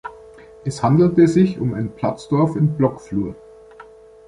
Es handelte sich um ein Platzdorf in Blockflur.